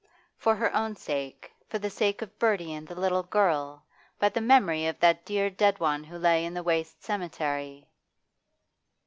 For her own sake, for the sake of Bertie and the little girl, by the memory of that dear dead one who lay in the waste cemetery!